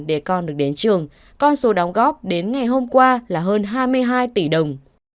để con được đến trường con số đóng góp đến ngày hôm qua là hơn hai mươi hai tỷ đồng